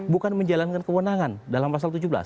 bukan menjalankan kewenangan dalam pasal tujuh belas